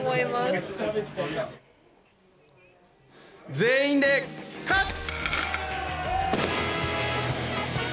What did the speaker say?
全員で勝つ！